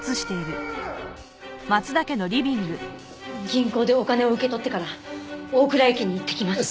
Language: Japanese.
銀行でお金を受け取ってから大蔵駅に行ってきます。